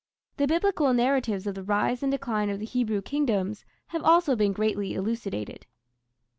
The Biblical narratives of the rise and decline of the Hebrew kingdoms have also been greatly elucidated.